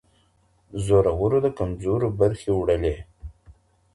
زورورو د کمزورو برخي وړلې